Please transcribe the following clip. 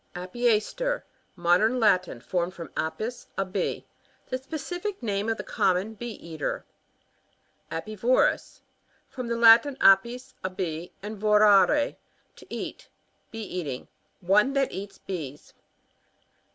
Api ASTER. — Modern Latin, formed from apis^ a b.e. The specific name of the common Bee eater. Apivorus — From the Latin, apt*, a bee, and vorare, to eat Bee eat ing. One that eats bees.